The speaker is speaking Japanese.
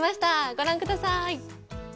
ご覧ください。